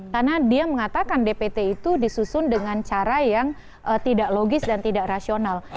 karena dia mengatakan dpt itu disusun dengan cara yang tidak logis dan tidak rasional